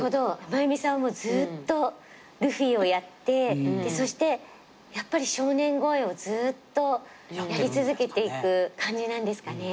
真弓さんもずっとルフィをやってそしてやっぱり少年声をずっとやり続けていく感じなんですかね？